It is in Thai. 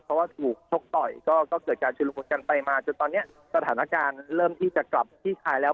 เพราะว่าถูกชกต่อยก็เกิดการชุดละมุนกันไปมาจนตอนนี้สถานการณ์เริ่มที่จะกลับคลี่คลายแล้ว